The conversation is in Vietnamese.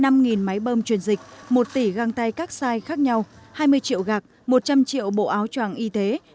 năm máy bơm truyền dịch một tỷ găng tay các sie khác nhau hai mươi triệu gạc một trăm linh triệu bộ áo tràng y tế